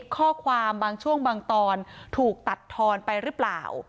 ข้อความบางช่วงบางตอนถูกตัดทอนไปหรือเปล่า